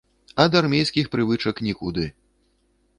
Ад армейскіх прывычак нікуды.